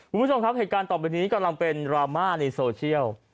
คุณผู้ชมครับเหตุการณ์ต่อไปนี้กำลังเป็นดราม่าในโซเชียล